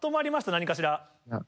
何かしら。